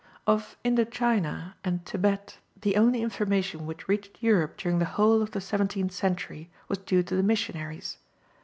Of Indo China and Thibet the only information which reached Europe during the whole of the seventeenth century was due to the missionaries.